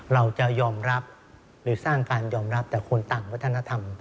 เราจะยอมรับหรือสร้างการยอมรับแต่คนต่างวัฒนธรรม